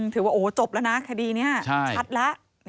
ถือว่าโอ้จบแล้วนะคดีนี้ชัดแล้ว